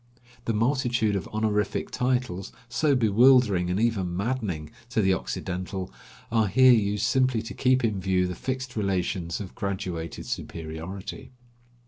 The multitude of honorific titles, so bewildering and even maddening to the Occidental, are here used simply to keep in view the fixed relations of graduated superiority.